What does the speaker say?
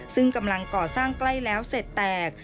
ซึ่งกำลังก่อสร้างใกล้แล้วเสร็จแตก